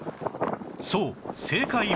そう正解は